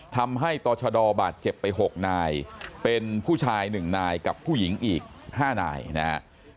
ทำให้ต่อชะดอบาดเจ็บไป๖นายเป็นผู้ชาย๑นายกับผู้หญิงอีก๕นายนะครับ